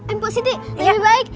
eh mbok siti lebih baik